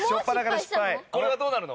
これはどうなるの？